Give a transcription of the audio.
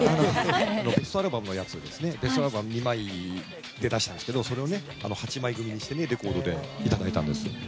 ベストアルバムを２枚出したんですけどそれを８枚組みにしてレコードでいただいたんです。